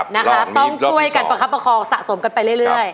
นะคะต้องช่วยกันประคับประคองสะสมกันไปเรื่อย